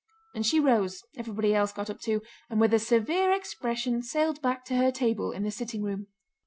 and she rose (everybody else got up too) and with a severe expression sailed back to her table in the sitting room.